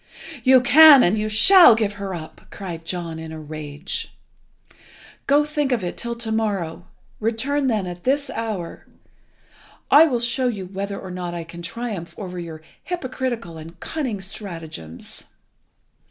"You can, and you shall, give her up!" cried John in a rage. "Go, think of it till to morrow. Return then at this hour. I will show you whether or not I can triumph over your hypocritical and cunning stratagems."